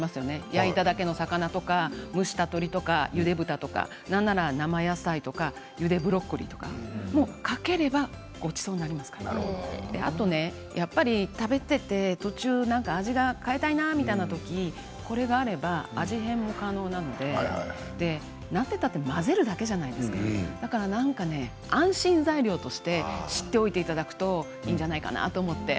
焼いただけの魚とか蒸した鶏とかゆで豚、ゆで鶏とか生野菜とかゆでたブロッコリーとかかければごちそうになりますからあと食べていて途中何か味を変えたいなという時これがあれば味変も可能なのでなんてったって混ぜるだけじゃないですかだから何かね安心材料として知っておいていただくといいんじゃないかなと思って。